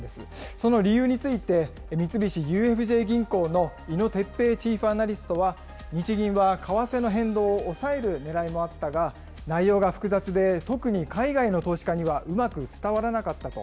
その理由について、三菱ＵＦＪ銀行の井野鉄兵チーフアナリストは、日銀は為替の変動を抑えるねらいもあったが、内容が複雑で、特に海外の投資家にはうまく伝わらなかったと。